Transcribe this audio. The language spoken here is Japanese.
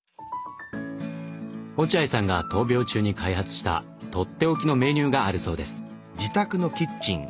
落合さんが闘病中に開発したとっておきのメニューがあるそうです。